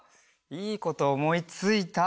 いいことおもいついた。